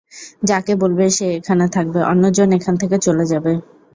যাকে বলবে সে এখানে থাকবে, অন্যজন এখান থেকে চলে যাবে।